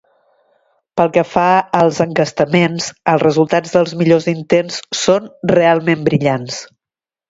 Pel que fa als encastaments, els resultats dels millors intents són realment brillants.